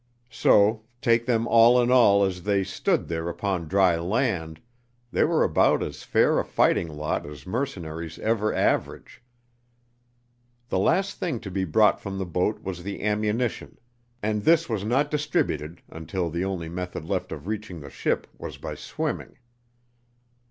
So, take them all in all as they stood there upon dry land, they were about as fair a fighting lot as mercenaries ever average. The last thing to be brought from the boat was the ammunition, and this was not distributed until the only method left of reaching the ship was by swimming.